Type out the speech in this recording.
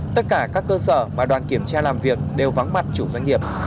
tất cả các cơ sở mà đoàn kiểm tra làm việc đều vắng mặt chủ doanh nghiệp